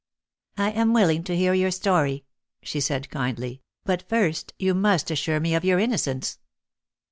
"I am willing to hear your story," she said kindly; "but first you must assure me of your innocence."